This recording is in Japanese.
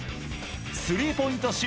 スリーポイント